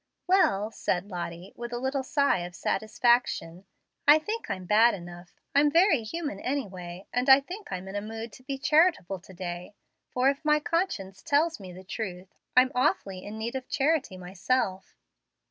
"Well," said Lottie, with a little sigh of satisfaction, "I think I'm bad enough. I'm very human, anyway, and I think I'm in a mood to be charitable to day; for, if my conscience tells me the truth, I'm awfully in need of charity myself."